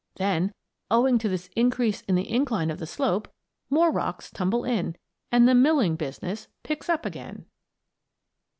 Then, owing to this increase in the incline of the slope, more rocks tumble in, and the "milling business" picks up again.